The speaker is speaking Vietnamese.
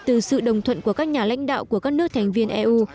từ sự đồng thuận của các nhà lãnh đạo của các nước thành viên eu